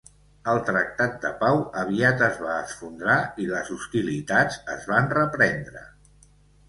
El tractat de pau aviat es va esfondrar i les hostilitats es van reprendre.